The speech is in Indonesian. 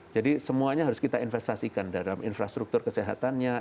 jadi semuanya harus kita investasikan dalam infrastruktur kesehatannya